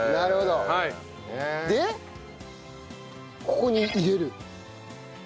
ここに入れる。